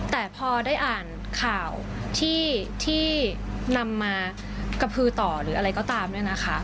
แต่พอได้อ่านข่าวที่นำมากระพือต่อหรืออะไรก็ตามเนี่ยนะคะ